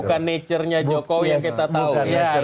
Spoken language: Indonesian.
bukan nature nya jokowi yang kita tahu